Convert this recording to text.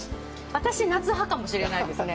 私、夏派かもしれないですね。